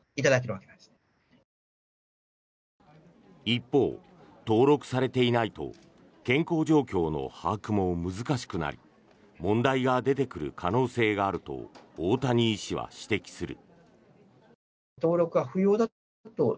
一方、登録されていないと健康状況の把握も難しくなり問題が出てくる可能性があると大谷医師は指摘する。